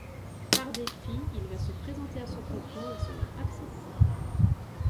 Par défi, il va se présenter à ce concours et sera accepté.